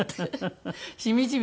しみじみ